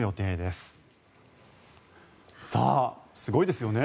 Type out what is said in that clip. すごいですよね。